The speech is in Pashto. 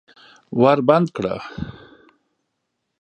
ور بند کړه!